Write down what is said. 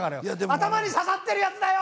頭に刺さってるやつだよ！